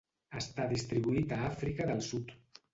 Està distribuït a Àfrica del Sud.